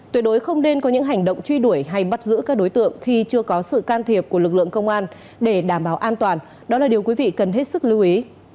tuyệt đối không nên có những hành động truy đuổi hay bắt giữ các đối tượng khi chưa có sự can thiệp của lực lượng công an để đảm bảo an toàn đó là điều quý vị cần hết sức lưu ý